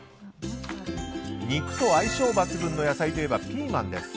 肉と相性抜群の野菜といえばピーマンです。